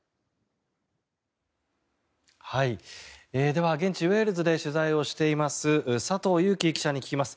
では、現地ウェールズで取材をしています佐藤裕樹記者に聞きます。